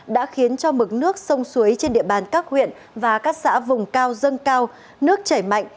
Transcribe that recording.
đã khiến cho mực nước sông suối trên địa bàn các huyện và các xã vùng cao dâng cao nước chảy mạnh